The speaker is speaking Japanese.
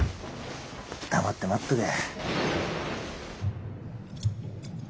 黙って待っとけ。